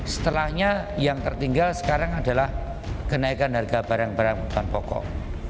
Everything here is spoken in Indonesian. setelahnya yang tertinggal sekarang adalah kenaikan harga barang barang kebutuhan pokok